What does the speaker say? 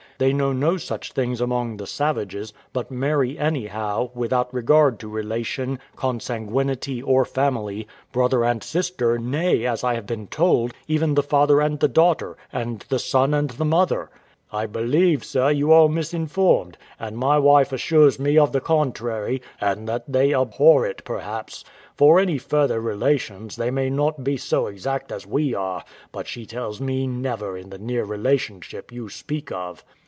They know no such things among the savages, but marry anyhow, without regard to relation, consanguinity, or family; brother and sister, nay, as I have been told, even the father and the daughter, and the son and the mother. W.A. I believe, sir, you are misinformed, and my wife assures me of the contrary, and that they abhor it; perhaps, for any further relations, they may not be so exact as we are; but she tells me never in the near relationship you speak of.